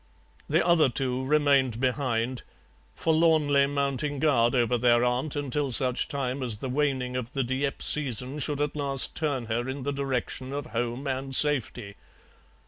The other two remained behind, forlornly mounting guard over their aunt until such time as the waning of the Dieppe season should at last turn her in the direction of home and safety.